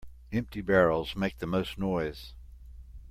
Empty barrels make the most noise.